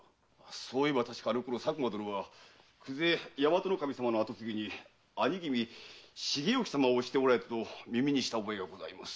そういえば確かあの頃佐久間殿は久世大和守様の後継ぎに兄君・重意様を推しておられたと耳にした覚えがございます。